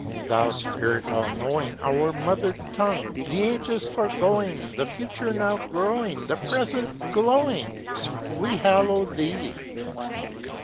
Thou spirit all knowing, Our mother tongue, The ages foregoing, The future now growing, The present glowing, We hallow thee!